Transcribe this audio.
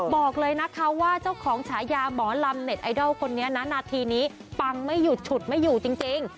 บอกเลยนะคะว่าเจ้าของฉายาหมอลำเน็ตไอดอลคนนี้นะนาทีนี้ปังไม่หยุดฉุดไม่อยู่จริง